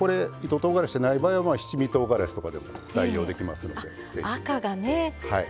とうがらし、ない場合は七味とうがらしとかでも代用できますので、ぜひ。